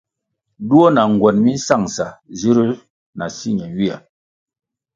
Duo na ngwen mi nsangʼsa zirū na si ñenywia.